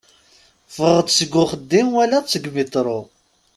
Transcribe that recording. Ffɣeɣ-d seg uxeddim walaɣ-tt deg umitṛu.